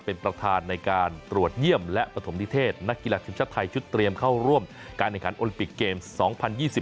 เป็นประธานในการตรวจเยี่ยมและปฐมนิเทศนักกีฬาทีมชาติไทยชุดเตรียมเข้าร่วมการแข่งขันโอลิมปิกเกมส์๒๐๒๐